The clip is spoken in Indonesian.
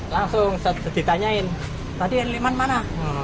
langsung ditanyain tadi yang liman mana